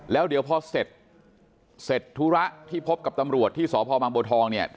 แล้วเดี๋ยวพอเสร็จเสร็จธุระที่พบกับตำรวจที่สพบางบัวทองเนี่ย